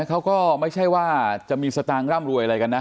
เขาก็ไม่ใช่ว่าจะมีสตางค์ร่ำรวยอะไรกันนะ